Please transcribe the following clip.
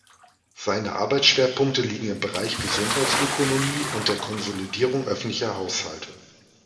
Seine Arbeitsschwerpunkte liegen im Bereich Gesundheitsökonomie und der Konsolidierung öffentlicher Haushalte.